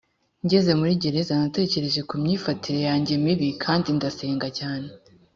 ngeze muri gereza natekereje ku myifatire yanjye mibi kandi ndasenga cyane